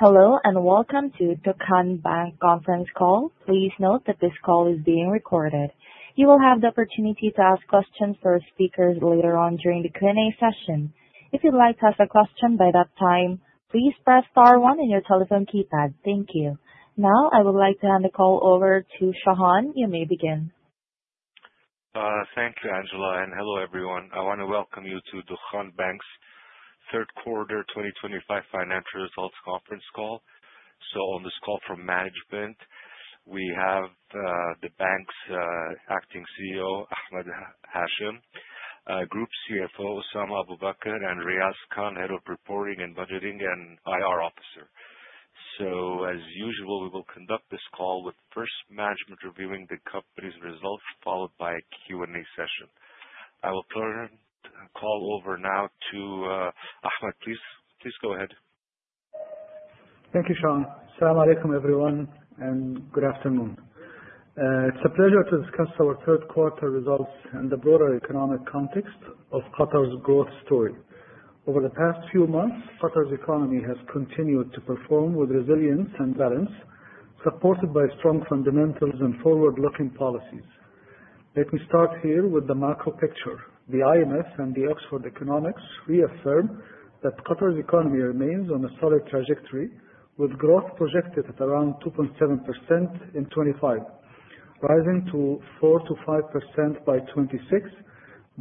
Hello, welcome to Dukhan Bank conference call. Please note that this call is being recorded. You will have the opportunity to ask questions to our speakers later on during the Q&A session. If you would like to ask a question by that time, please press star one on your telephone keypad. Thank you. I would like to hand the call over to Shahan. You may begin. Thank you, Angela, Hello, everyone. I want to welcome you to Dukhan Bank's third quarter 2025 financial results conference call. On this call from management, we have the bank's Acting CEO, Ahmed Hashem, Group CFO, Osama Abu Baker, and Riaz Khan, Head of Reporting and Budgeting and IR Officer. As usual, we will conduct this call with first management reviewing the company's results, followed by a Q&A session. I will turn the call over now to Ahmed. Please go ahead. Thank you, Shahan. Asalam Alaikum, everyone, Good afternoon. It is a pleasure to discuss our third quarter results and the broader economic context of Qatar's growth story. Over the past few months, Qatar's economy has continued to perform with resilience and balance, supported by strong fundamentals and forward-looking policies. Let me start here with the macro picture. The IMF and Oxford Economics reaffirm that Qatar's economy remains on a solid trajectory, with growth projected at around 2.7% in 2025, rising to 4%-5% by 2026,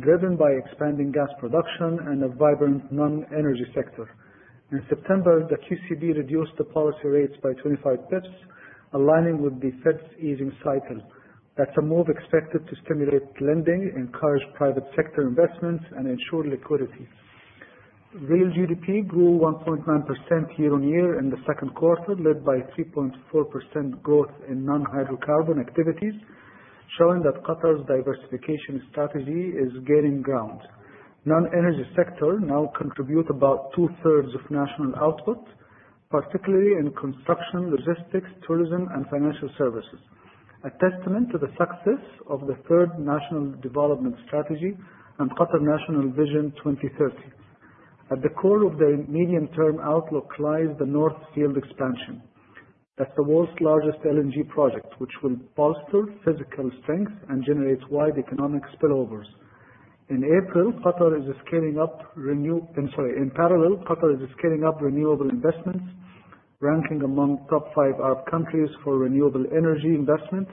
driven by expanding gas production and a vibrant non-energy sector. In September, the QCB reduced the policy rates by 25 basis points, aligning with the Fed's easing cycle. That is a move expected to stimulate lending, encourage private sector investments, and ensure liquidity. Real GDP grew 1.9% year-on-year in the second quarter, led by 3.4% growth in non-hydrocarbon activities, showing that Qatar's diversification strategy is gaining ground. Non-energy sector now contribute about two-thirds of national output, particularly in construction, logistics, tourism, and financial services. A testament to the success of the Third National Development Strategy and Qatar National Vision 2030. At the core of the medium-term outlook lies the North Field expansion. That is the world's largest LNG project, which will bolster physical strength and generate wide economic spillovers. In April, Qatar is scaling up. I am sorry. In parallel, Qatar is scaling up renewable investments, ranking among top five Arab countries for renewable energy investment,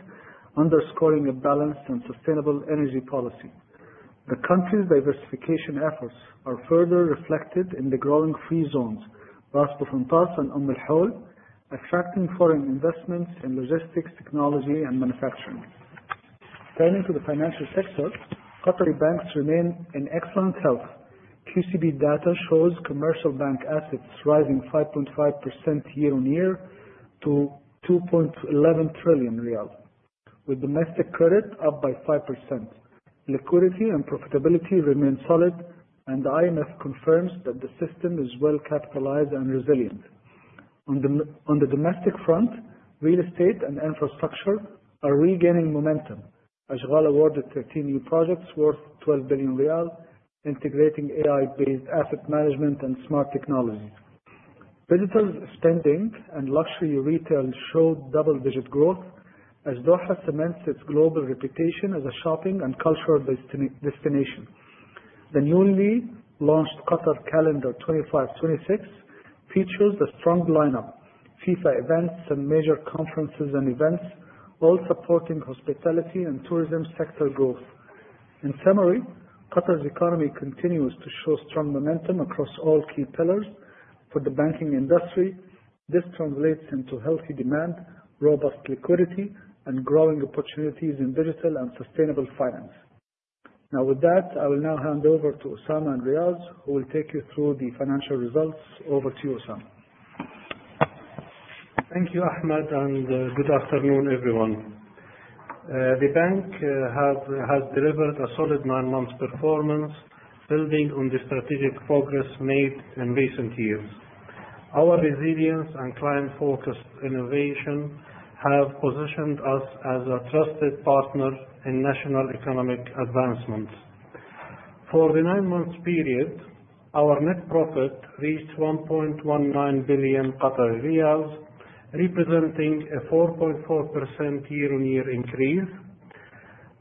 underscoring a balanced and sustainable energy policy. The country's diversification efforts are further reflected in the growing free zones, Ras Bufontas and Umm Al Houl, attracting foreign investments in logistics, technology, and manufacturing. Turning to the financial sector, Qatari banks remain in excellent health. QCB data shows commercial bank assets rising 5.5% year-on-year to 2.11 trillion riyal, with domestic credit up by 5%. Liquidity and profitability remain solid, and the IMF confirms that the system is well capitalized and resilient. On the domestic front, real estate and infrastructure are regaining momentum. Ashghal awarded 13 new projects worth 12 billion QAR, integrating AI-based asset management and smart technology. Digital spending and luxury retail showed double-digit growth as Doha cements its global reputation as a shopping and cultural destination. The newly launched Qatar Calendar 25, 26 features a strong lineup. FIFA events and major conferences and events, all supporting hospitality and tourism sector growth. In summary, Qatar's economy continues to show strong momentum across all key pillars. For the banking industry, this translates into healthy demand, robust liquidity, and growing opportunities in digital and sustainable finance. Now with that, I will now hand over to Osama and Riaz, who will take you through the financial results. Over to you, Osama. Thank you, Ahmed, and good afternoon, everyone. The bank has delivered a solid nine months performance, building on the strategic progress made in recent years. Our resilience and client-focused innovation have positioned us as a trusted partner in national economic advancement. For the nine months period, our net profit reached 1.19 billion QAR, representing a 4.4% year-on-year increase.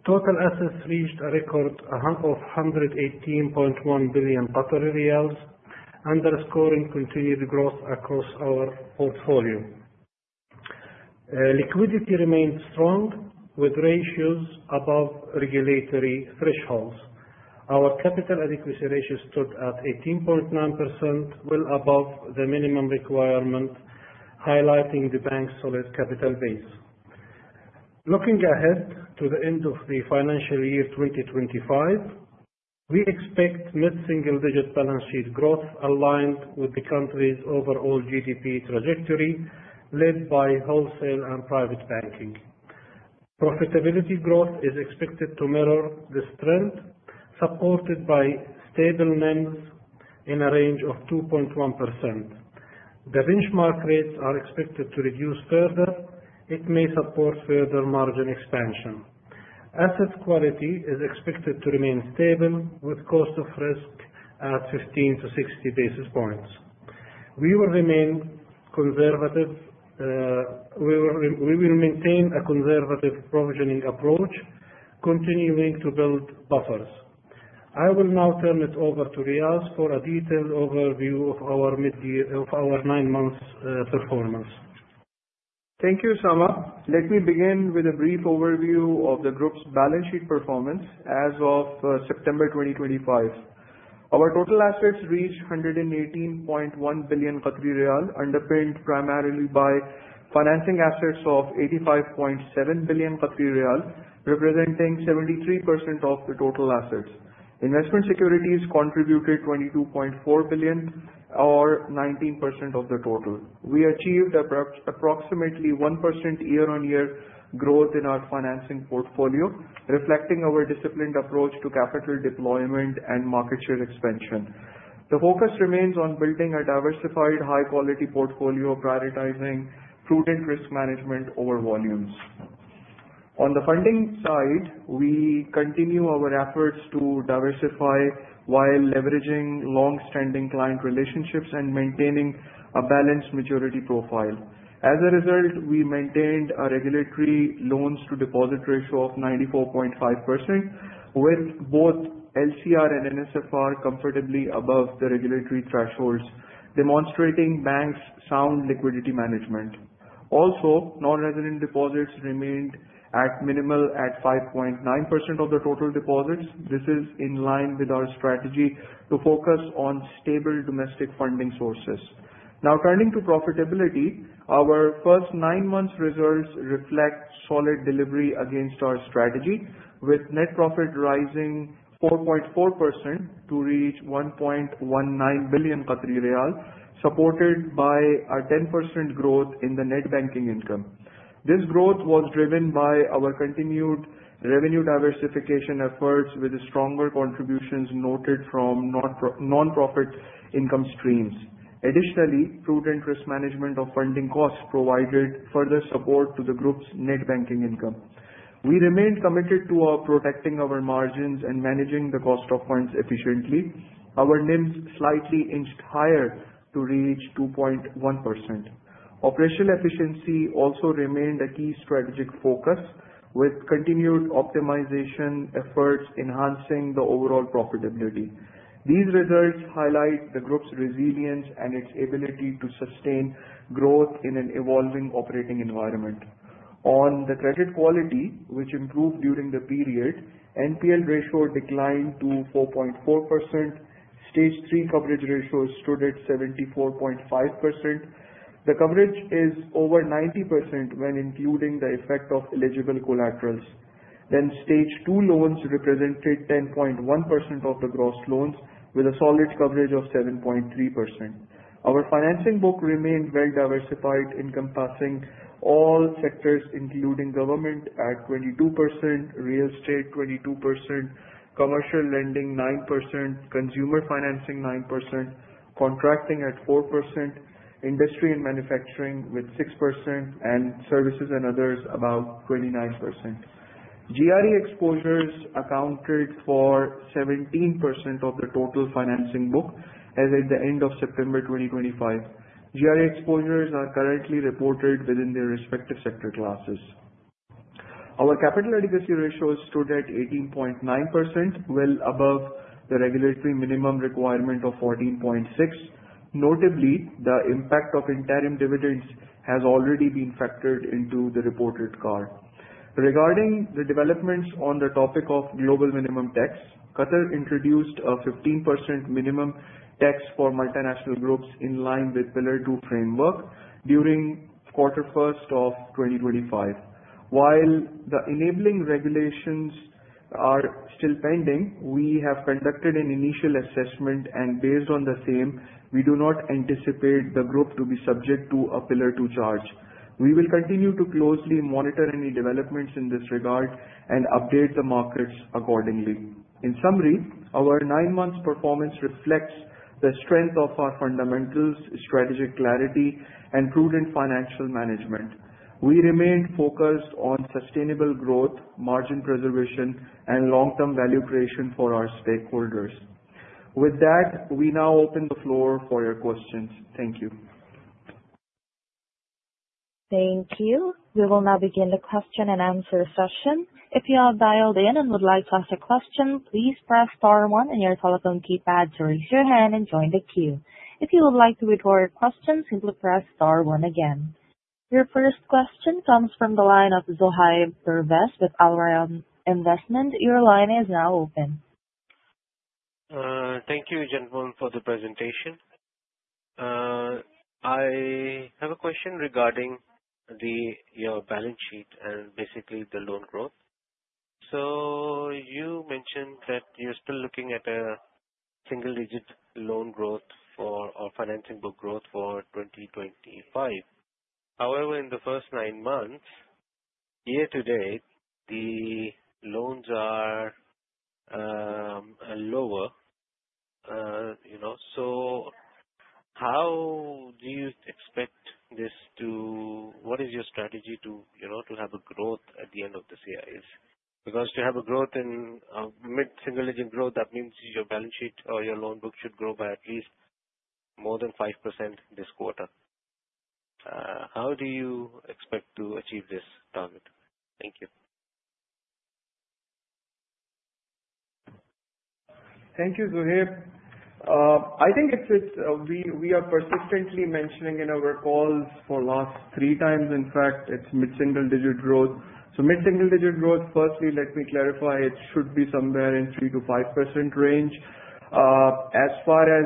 Total assets reached a record of 118.1 billion Qatari riyals, underscoring continued growth across our portfolio. Liquidity remains strong, with ratios above regulatory thresholds. Our capital adequacy ratio stood at 18.9%, well above the minimum requirement, highlighting the bank's solid capital base. Looking ahead to the end of the financial year 2025, we expect mid single-digit balance sheet growth aligned with the country's overall GDP trajectory, led by wholesale and private banking. Profitability growth is expected to mirror this trend, supported by stable NIMS in a range of 2.1%. The benchmark rates are expected to reduce further. It may support further margin expansion. Asset quality is expected to remain stable with cost of risk at 15 to 60 basis points. We will maintain a conservative provisioning approach, continuing to build buffers. I will now turn it over to Riaz for a detailed overview of our nine months performance. Thank you, Sama. Let me begin with a brief overview of the group's balance sheet performance as of September 2025. Our total assets reached 118.1 billion Qatari riyal, underpinned primarily by financing assets of 85.7 billion Qatari riyal, representing 73% of the total assets. Investment securities contributed 22.4 billion, or 19% of the total. We achieved approximately 1% year-on-year growth in our financing portfolio, reflecting our disciplined approach to capital deployment and market share expansion. The focus remains on building a diversified, high-quality portfolio, prioritizing prudent risk management over volumes. On the funding side, we continue our efforts to diversify while leveraging long-standing client relationships and maintaining a balanced maturity profile. As a result, we maintained our regulatory loans-to-deposit ratio of 94.5%, with both LCR and NSFR comfortably above the regulatory thresholds, demonstrating Bank's sound liquidity management. Non-resident deposits remained at minimal at 5.9% of the total deposits. This is in line with our strategy to focus on stable domestic funding sources. Turning to profitability, our first nine months results reflect solid delivery against our strategy, with net profit rising 4.4% to reach 1.19 billion Qatari riyal, supported by a 10% growth in the net banking income. This growth was driven by our continued revenue diversification efforts with stronger contributions noted from non-profit income streams. Additionally, prudent risk management of funding costs provided further support to the group's net banking income. We remain committed to protecting our margins and managing the cost of funds efficiently. Our NIMs slightly inched higher to reach 2.1%. Operational efficiency also remained a key strategic focus, with continued optimization efforts enhancing the overall profitability. These results highlight the group's resilience and its ability to sustain growth in an evolving operating environment. On the credit quality, which improved during the period, NPL ratio declined to 4.4%. Stage 3 coverage ratio stood at 74.5%. The coverage is over 90% when including the effect of eligible collaterals. Stage 2 loans represented 10.1% of the gross loans with a solid coverage of 7.3%. Our financing book remains very diversified, encompassing all sectors, including government at 22%, real estate 22%, commercial lending 9%, consumer financing 9%, contracting at 4%, industry and manufacturing with 6%, and services and others about 29%. GRE exposures accounted for 17% of the total financing book as at the end of September 2025. GRE exposures are currently reported within their respective sector classes. Our capital adequacy ratio stood at 18.9%, well above the regulatory minimum requirement of 14.6%. Notably, the impact of interim dividends has already been factored into the reported CAR. Regarding the developments on the topic of global minimum tax, Qatar introduced a 15% minimum tax for multinational groups in line with Pillar Two framework during the first quarter of 2025. While the enabling regulations are still pending, we have conducted an initial assessment and based on the same, we do not anticipate the group to be subject to a Pillar Two charge. We will continue to closely monitor any developments in this regard and update the markets accordingly. In summary, our nine months performance reflects the strength of our fundamentals, strategic clarity, and prudent financial management. We remain focused on sustainable growth, margin preservation, and long-term value creation for our stakeholders. With that, we now open the floor for your questions. Thank you. Thank you. We will now begin the question and answer session. If you have dialed in and would like to ask a question, please press star one on your telephone keypad to raise your hand and join the queue. If you would like to withdraw your question, simply press star one again. Your first question comes from the line of Zohaib Pervez with Al Rayan Investment. Your line is now open. Thank you, gentlemen, for the presentation. I have a question regarding your balance sheet and basically the loan growth. You mentioned that you're still looking at a single-digit loan growth for our financing book growth for 2025. However, in the first nine months, year-to-date, the loans are lower. How do you expect this? What is your strategy to have a growth at the end of this year? Because to have a mid-single-digit growth, that means your balance sheet or your loan book should grow by at least more than 5% this quarter. How do you expect to achieve this target? Thank you. Thank you, Zohaib. I think we are persistently mentioning in our calls for last three times, in fact, it's mid-single-digit growth. Mid-single-digit growth, firstly, let me clarify, it should be somewhere in 3%-5% range. As far as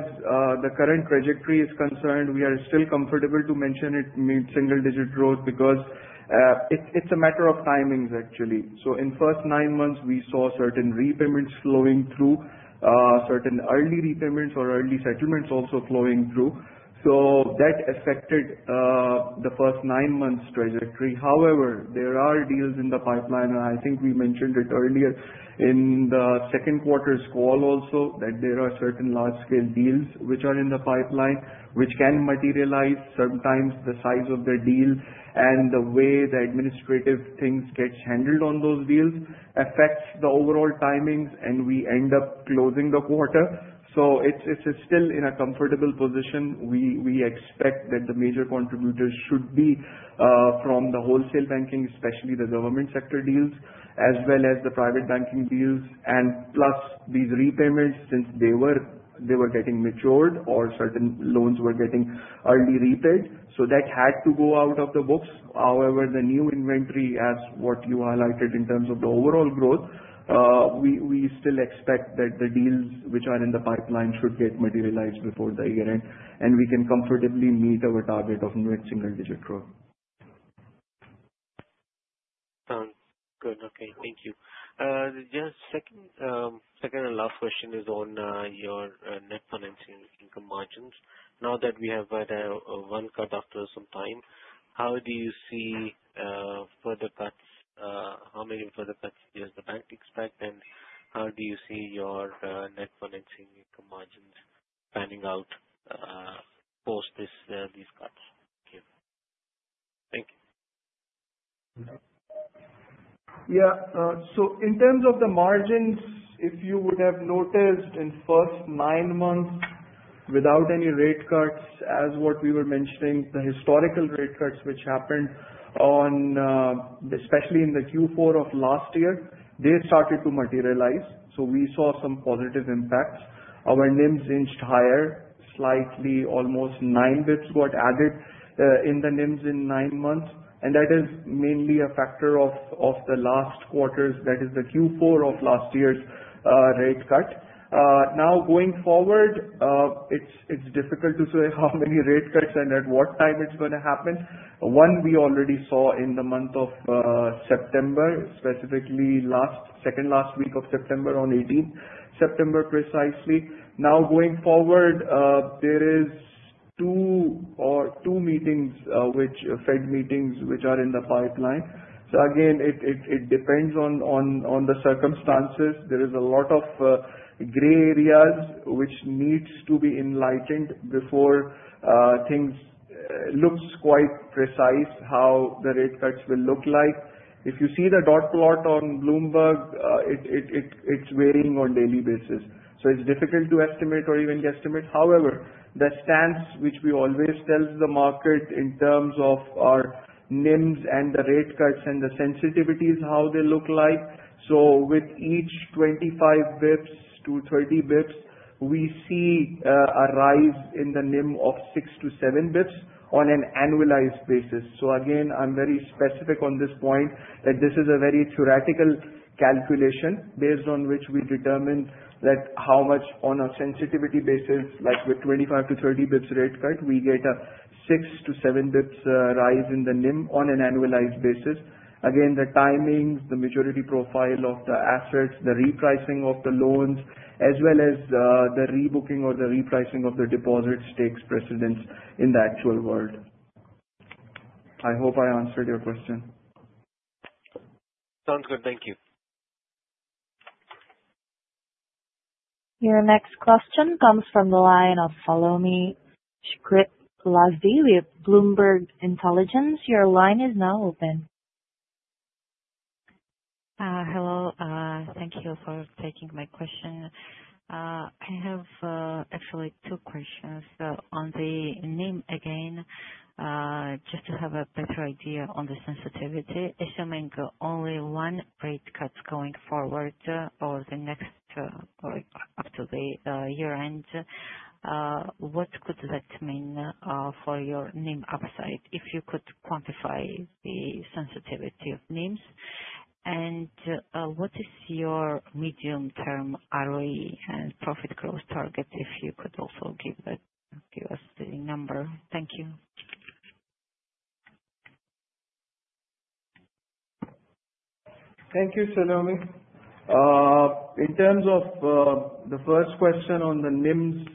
the current trajectory is concerned, we are still comfortable to mention it mid-single-digit growth because it's a matter of timings actually. In first nine months, we saw certain repayments flowing through, certain early repayments or early settlements also flowing through. That affected the first nine months trajectory. However, there are deals in the pipeline, and I think we mentioned it earlier in the second quarter's call also that there are certain large-scale deals which are in the pipeline, which can materialize. Sometimes the size of the deal and the way the administrative things get handled on those deals affects the overall timings and we end up closing the quarter. It's still in a comfortable position. We expect that the major contributors should be from the wholesale banking, especially the government sector deals, as well as the private banking deals. Plus these repayments since they were getting matured or certain loans were getting early repaid, so that had to go out of the books. However, the new inventory, as what you highlighted in terms of the overall growth, we still expect that the deals which are in the pipeline should get materialized before the year end and we can comfortably meet our target of mid-single-digit growth. Sounds good. Okay. Thank you. Just second and last question is on your net financing income margins. Now that we have had one cut after some time, how do you see further cuts? How many further cuts does the bank expect, and how do you see your net financing income margins panning out post these cuts? Thank you. Yeah. In terms of the margins, if you would have noticed in first nine months without any rate cuts as what we were mentioning, the historical rate cuts which happened especially in the Q4 of last year, they started to materialize. We saw some positive impacts. Our NIMs inched higher slightly. Almost nine bps got added in the NIMs in nine months, and that is mainly a factor of the last quarters, that is the Q4 of last year's rate cut. Going forward, it's difficult to say how many rate cuts and at what time it's going to happen. One we already saw in the month of September, specifically second last week of September, on 18th September precisely. Going forward, there is two Fed meetings which are in the pipeline. Again, it depends on the circumstances. There is a lot of gray areas which needs to be enlightened before things looks quite precise how the rate cuts will look like. If you see the dot plot on Bloomberg, it's varying on daily basis. It's difficult to estimate or even guesstimate. However, the stance which we always tell the market in terms of our NIMs and the rate cuts and the sensitivities, how they look like. With each 25 bps-30 bps, we see a rise in the NIM of six-seven bps on an annualized basis. Again, I'm very specific on this point that this is a very theoretical calculation based on which we determine that how much on a sensitivity basis, like with 25-30 bps rate cut, we get a six-seven bps rise in the NIM on an annualized basis. Again, the timings, the maturity profile of the assets, the repricing of the loans, as well as the rebooking or the repricing of the deposits takes precedence in the actual world. I hope I answered your question. Sounds good. Thank you. Your next question comes from the line of Salome Chkridze with Bloomberg Intelligence. Your line is now open. Hello. Thank you for taking my question. I have actually two questions. On the NIM again, just to have a better idea on the sensitivity, assuming only one rate cut going forward or up to the year-end, what could that mean for your NIM upside? If you could quantify the sensitivity of NIMs. What is your medium-term ROE and profit growth target? If you could also give us the number. Thank you. Thank you, Salome. In terms of the first question on the NIMs,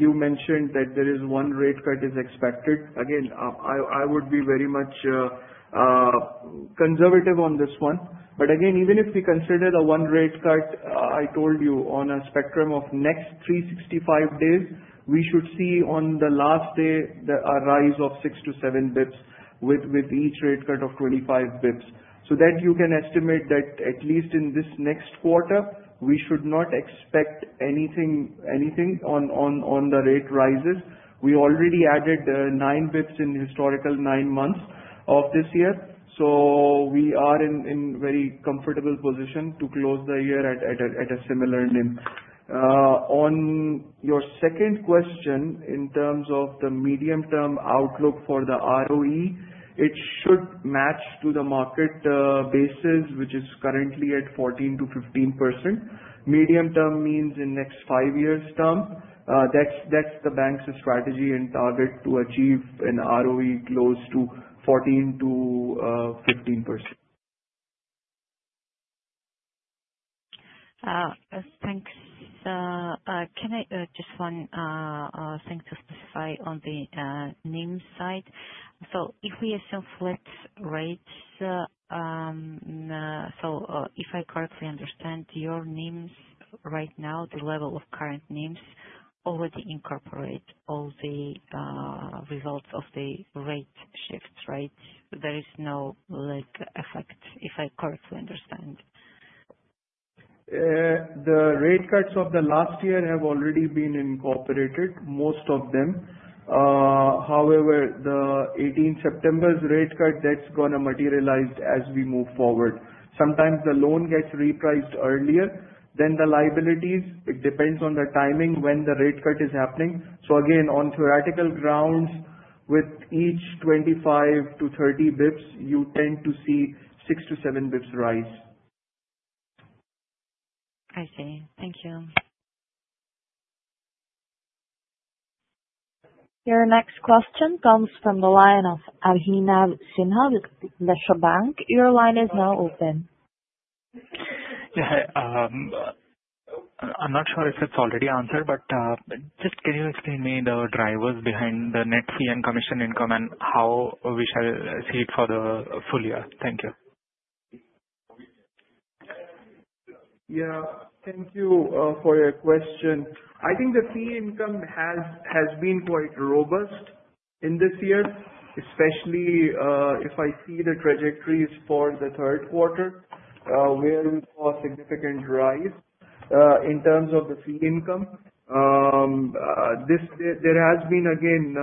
you mentioned that there is one rate cut is expected. Again, I would be very much conservative on this one. Again, even if we consider the one rate cut, I told you on a spectrum of next 365 days, we should see on the last day a rise of 6-7 bps with each rate cut of 25 bps. You can estimate that at least in this next quarter, we should not expect anything on the rate rises. We already added nine bps in historical nine months of this year. We are in very comfortable position to close the year at a similar NIM. On your second question, in terms of the medium-term outlook for the ROE, it should match to the market basis, which is currently at 14%-15%. Medium-term means in next five years term. That's the bank's strategy and target to achieve an ROE close to 14%-15%. Thanks. Can I, just one thing to specify on the NIMs side. If we assume flat rates, if I correctly understand your NIMs right now, the level of current NIMs already incorporate all the results of the rate shifts, right? There is no lag effect, if I correctly understand. The rate cuts of the last year have already been incorporated, most of them. However, the 18 September's rate cut, that's going to materialize as we move forward. Sometimes the loan gets repriced earlier than the liabilities. It depends on the timing when the rate cut is happening. Again, on theoretical grounds, with each 25-30 bps, you tend to see 6-7 bps rise. I see. Thank you. Your next question comes from the line of Arhina Sinha with Nesa Bank. Your line is now open. Yeah. I'm not sure if it's already answered, but just can you explain me the drivers behind the net fee and commission income and how we shall see it for the full year? Thank you. Yeah. Thank you for your question. I think the fee income has been quite robust in this year, especially if I see the trajectories for the third quarter where we saw a significant rise in terms of the fee income. There has been again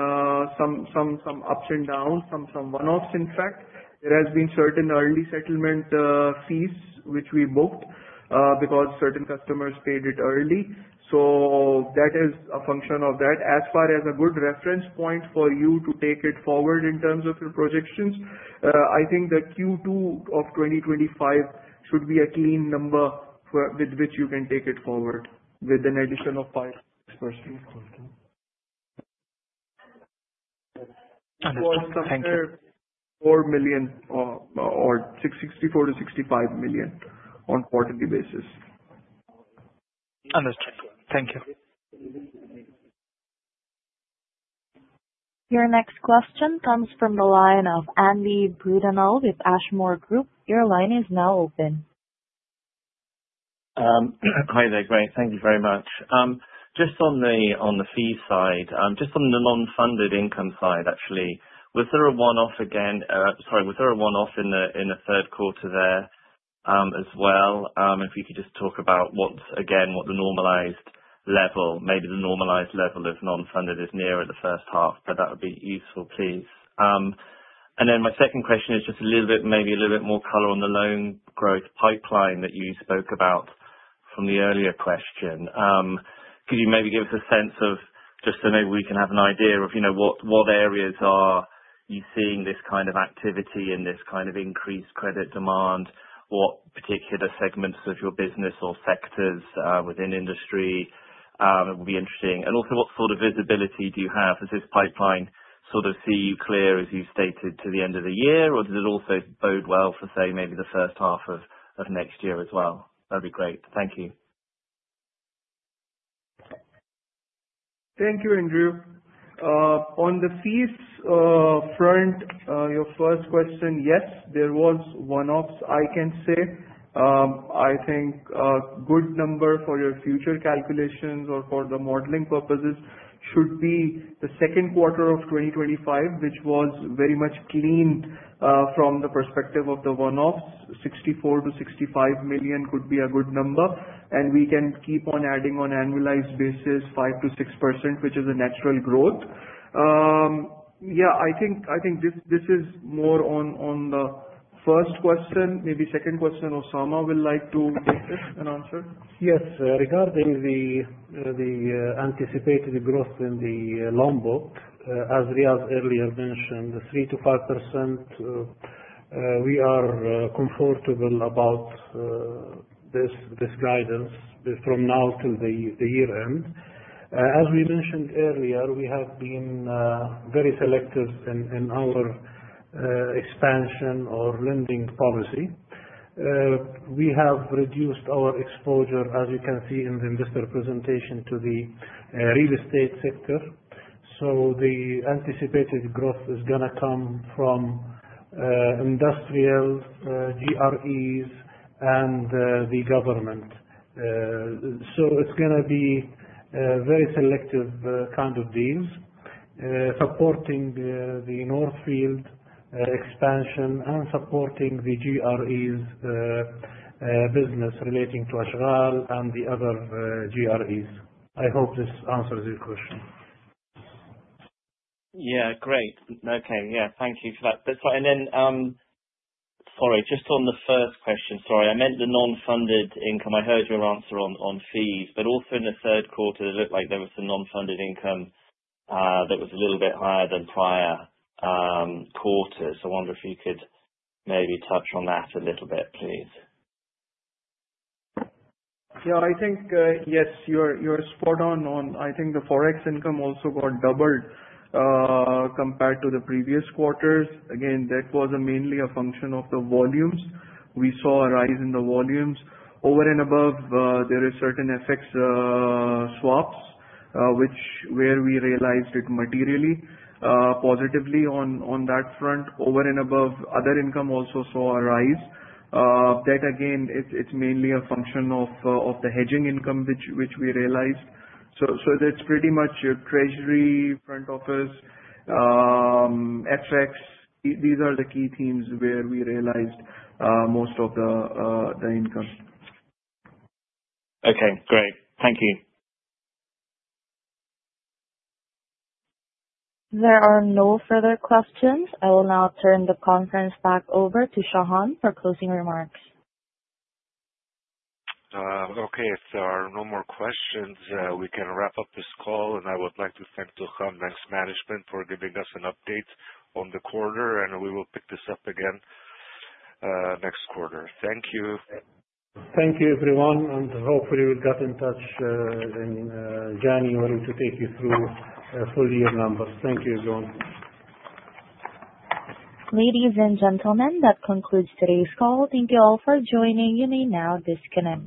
some ups and downs from one-offs, in fact. There has been certain early settlement fees which we booked because certain customers paid it early. That is a function of that. As far as a good reference point for you to take it forward in terms of your projections, I think the Q2 of 2025 should be a clean number with which you can take it forward with an addition of 5%. Understood. Thank you. four million or 64 million-65 million on quarterly basis. Understood. Thank you. Your next question comes from the line of Andy Brudenell with Ashmore Group. Your line is now open. Hi there. Great. Thank you very much. Just on the fee side, just on the non-funded income side, actually. Was there a one-off in the third quarter there as well? If you could just talk about what, again, what the normalized level, maybe the normalized level of non-funded is nearer the first half, that would be useful, please. My second question is just maybe a little more color on the loan growth pipeline that you spoke about from the earlier question. Could you maybe give us a sense of just so maybe we can have an idea of what areas are you seeing this kind of activity and this kind of increased credit demand? What particular segments of your business or sectors within industry? That would be interesting. Also, what sort of visibility do you have? Does this pipeline sort of see you clear, as you stated, to the end of the year, or does it also bode well for, say, maybe the first half of next year as well? That'd be great. Thank you. Thank you, Andrew. On the fees front, your first question, yes, there was one-offs, I can say. I think a good number for your future calculations or for the modeling purposes should be the second quarter of 2025, which was very much cleaned from the perspective of the one-offs. 64 million-65 million could be a good number, and we can keep on adding on annualized basis 5%-6%, which is a natural growth. Yeah, I think this is more on the first question. Maybe second question, Osama will like to give it an answer. Yes. Regarding the anticipated growth in the loan book, as Riaz earlier mentioned, 3%-5%, we are comfortable about this guidance from now till the year-end. As we mentioned earlier, we have been very selective in our expansion or lending policy. We have reduced our exposure, as you can see in this representation, to the real estate sector. The anticipated growth is going to come from industrial, GREs, and the government. It's going to be very selective kind of deals supporting the North Field expansion and supporting the GREs business relating to Ashghal and the other GREs. I hope this answers your question. Yeah, great. Okay. Yeah, thank you for that. That's fine. Sorry, just on the first question, sorry. I meant the non-funded income. I heard your answer on fees, but also in the third quarter, it looked like there was some non-funded income that was a little bit higher than prior quarters. I wonder if you could maybe touch on that a little bit, please. I think, yes, you're spot on. I think the Forex income also got doubled compared to the previous quarters. That was mainly a function of the volumes. We saw a rise in the volumes. There are certain FX swaps, where we realized it materially positively on that front. Other income also saw a rise. It's mainly a function of the hedging income which we realized. That's pretty much your treasury front office, FX. These are the key themes where we realized most of the income. Great. Thank you. There are no further questions. I will now turn the conference back over to Shahan for closing remarks. If there are no more questions, we can wrap up this call. I would like to thank Dukhan Bank's management for giving us an update on the quarter, and we will pick this up again next quarter. Thank you. Thank you, everyone. Hopefully we'll get in touch in January to take you through full year numbers. Thank you, everyone. Ladies and gentlemen, that concludes today's call. Thank you all for joining. You may now disconnect.